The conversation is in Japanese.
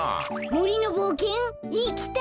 もりのぼうけん？いきたい！